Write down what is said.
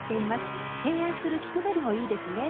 提案する気配りもいいですね。